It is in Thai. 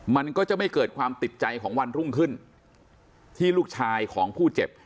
มันก็จะไม่เกิดความติดใจของวันรุ่งขึ้นที่ลูกชายของผู้เจ็บ